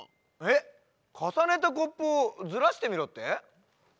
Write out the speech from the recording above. えっかさねたコップをずらしてみろって？